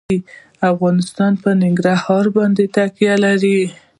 افغانستان په ننګرهار باندې تکیه لري.